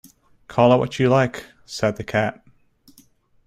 ‘Call it what you like,’ said the Cat.